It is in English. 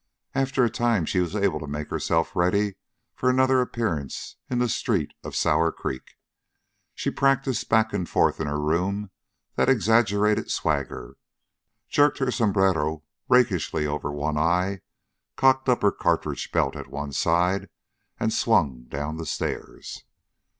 After a time she was able to make herself ready for another appearance in the street of Sour Creek. She practiced back and forth in her room that exaggerated swagger, jerked her sombrero rakishly over one eye, cocked up her cartridge belt at one side, and swung down the stairs.